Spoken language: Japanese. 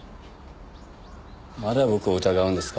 まだ僕を疑うんですか？